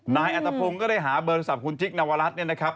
นายอัตภพงศ์ก็ได้หาเบอร์โทรศัพท์คุณจิ๊กนวรัฐเนี่ยนะครับ